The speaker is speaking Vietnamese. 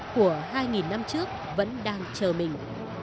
của hai nghìn năm trước vẫn đang chờ mình